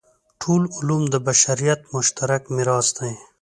ټول علوم د بشریت مشترک میراث دی.